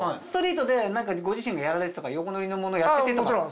ストリートで何かご自身がやられてたとか横乗りのものやっててとか？